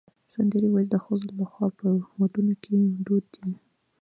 سندرې ویل د ښځو لخوا په ودونو کې دود دی.